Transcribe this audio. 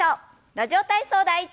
「ラジオ体操第１」。